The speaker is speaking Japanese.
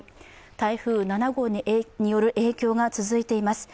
台風７号による影響が続いています。